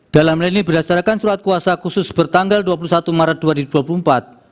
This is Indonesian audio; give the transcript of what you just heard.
dalam hal ini berdasarkan surat kuasa khusus bertanggal dua puluh satu maret dua ribu dua puluh empat